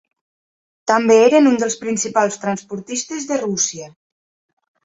També eren un dels principals transportistes de Rússia.